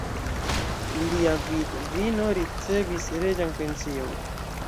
Lia vidvino ricevis reĝan pension.